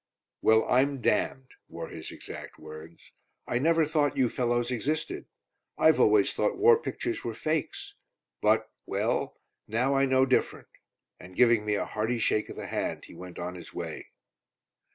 "Well I'm damned," were his exact words. "I never thought you fellows existed. I've always thought war pictures were fakes, but well now I know different," and giving me a hearty shake of the hand he went on his way.